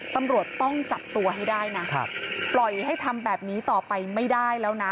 ตำรวจต้องจับตัวให้ได้นะปล่อยให้ทำแบบนี้ต่อไปไม่ได้แล้วนะ